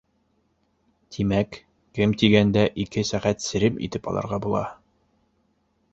Тимәк, кәм тигәндә ике сәғәт серем итеп алырға була.